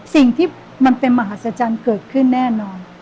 สิ่งที่มันเป็นมหัศจรรย์เกิดขึ้นแน่นอน